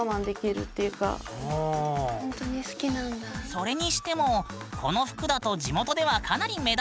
それにしてもこの服だと地元ではかなり目立たない？